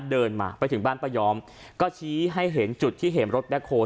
เดินมาไปถึงบ้านป้ายอมก็ชี้ให้เห็นจุดที่เห็นรถแบ็คโฮล